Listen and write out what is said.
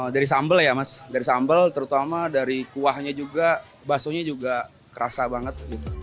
dari sambal ya mas dari sambal terutama dari kuahnya juga baksonya juga kerasa banget